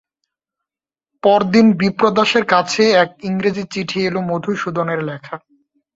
পরদিন বিপ্রদাসের কাছে এক ইংরেজি চিঠি এল- মধুসূদনের লেখা।